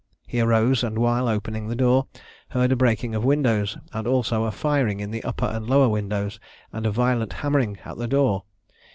He arose; and while opening the door, heard a breaking of windows, and also a firing in the upper and lower windows, and a violent hammering at the door.